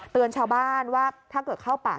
ชาวบ้านว่าถ้าเกิดเข้าป่า